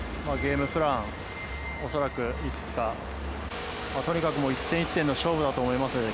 ゲームプラン、おそらくいくつかとにかく１点１点の勝負だと思います